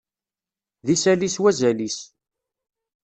D isalli s wazal-is.